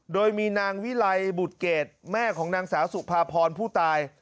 โดยมีนางวิลัยบุตรเกรดแม่ของนางสาวสุภาพรผู้ตาย